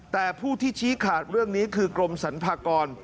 แต่ผู้ที่ชี้ขาดเรื่องนี้คือกรมสรรพากร